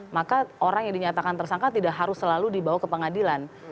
maka orang yang dinyatakan tersangka tidak harus selalu dibawa ke pengadilan